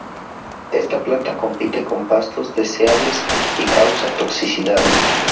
Esta planta compite con pastos deseables y causa toxicidad.